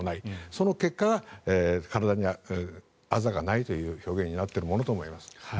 その結果が体にあざがないという表現になっているものと思います。